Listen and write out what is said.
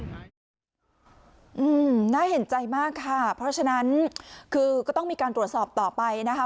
อืมน่าเห็นใจมากค่ะเพราะฉะนั้นคือก็ต้องมีการตรวจสอบต่อไปนะคะ